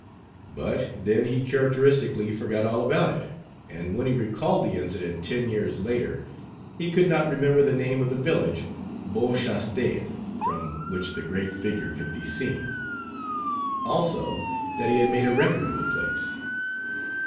But then he characteristically forgot all about it, and when he recalled the incident ten years later, he could not remember the name of the village, Beauchastel, from which the great figure could be seen; also, that he had made a record of the place.